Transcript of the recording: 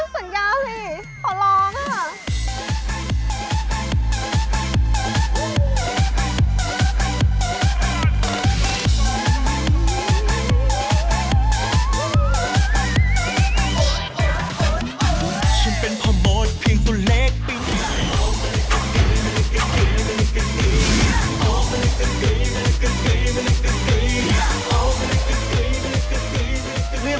สัญญาสิขอร้องค่ะ